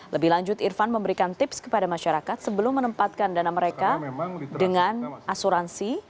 lebih lanjut irfan memberikan tips kepada masyarakat sebelum menempatkan dana mereka dengan asuransi